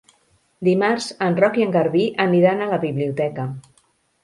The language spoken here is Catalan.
Dimarts en Roc i en Garbí aniran a la biblioteca.